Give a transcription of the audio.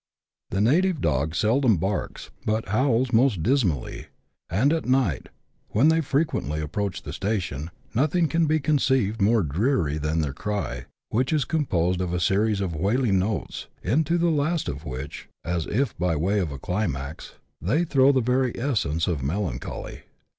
The native dog seldom barks, but howls most dismally, and at night, when they frequently approach the stations, nothing can be conceived more dreary than their cry, which is composed of a series of wailing notes, into the last of which, as if by way of a climax, they throw the very essence of melancholy.